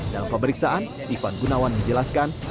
dalam pemeriksaan ivan gunawan menjelaskan